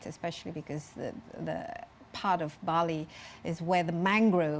terutama karena bagian bali adalah tempat yang menjaga